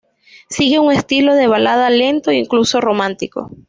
Sigue un estilo de balada lento e incluso romántico.